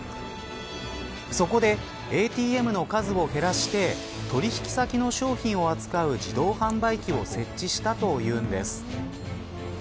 そこでＡＴＭの数を減らして取引先の商品を扱う自動販売機を設置したというんです。